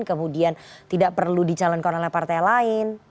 kemudian tidak perlu dicalonkan oleh partai lain